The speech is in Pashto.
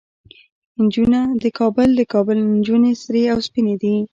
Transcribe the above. نجونه د کابل، د کابل نجونه سرې او سپينې دي